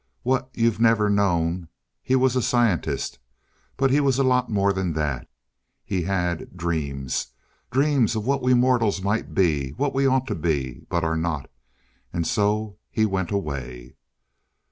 What you've never known he was a scientist. But he was a lot more than that. He had dreams. Dreams of what we mortals might be what we ought to be but are not. And so he went away."